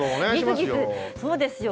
そうですよ。